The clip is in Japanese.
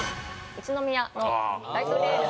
宇都宮のライトレール。